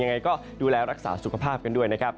ยังไงก็ดูแลรักษาสุขภาพกันด้วยนะครับ